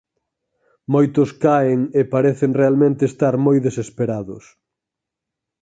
Moitos caen e parecen realmente estar moi desesperados.